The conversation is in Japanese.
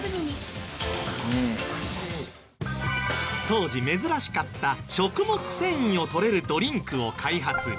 当時珍しかった食物繊維をとれるドリンクを開発。